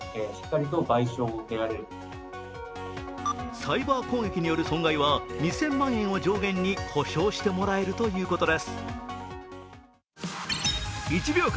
サイバー攻撃による損害は２０００万円を上限に補償してもらえるということです。